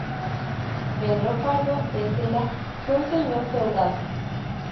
Pedro Pardo de Cela fue un señor feudal.